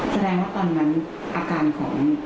แสดงว่าตอนนั้นอาการของ